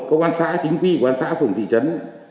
công an xã chính quy công an xã phường thị trấn